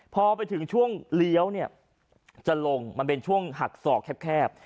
พอไปถึงช่วงเลี้ยวเนี่ยจะลงมันเป็นช่วงหักศอกแคบ